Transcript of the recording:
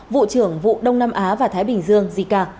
vụ trưởng vụ đông nam á và thái bình dương jica